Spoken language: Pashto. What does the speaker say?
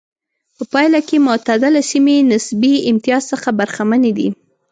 په پایله کې معتدله سیمې نسبي امتیاز څخه برخمنې دي.